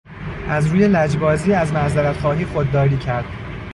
از روی لجبازی از معذرت خواهی خود داری کرد.